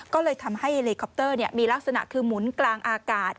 ก็เลยทำให้เลคอปเตอร์มีลักษณะคือหมุนกลางอากาศ